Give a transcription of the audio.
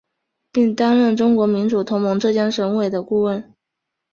并担任中国民主同盟浙江省委的顾问。